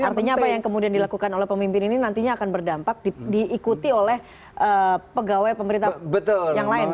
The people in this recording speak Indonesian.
artinya apa yang kemudian dilakukan oleh pemimpin ini nantinya akan berdampak diikuti oleh pegawai pemerintah yang lain